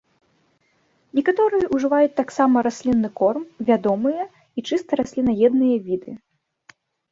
Некаторыя ўжываюць таксама раслінны корм, вядомыя і чыста раслінаедныя віды.